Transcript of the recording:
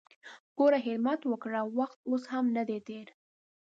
ګوره همت وکړه! وخت اوس هم ندی تېر!